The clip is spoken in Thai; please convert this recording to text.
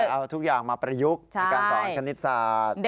เอาทุกอย่างมาประยุกต์ในการสอนคณิตศาสตร์